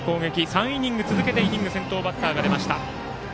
３イニング続けて先頭バッターが出ました。